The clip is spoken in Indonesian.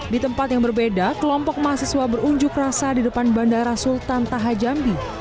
di tempat yang berbeda kelompok mahasiswa berunjuk rasa di depan bandara sultan taha jambi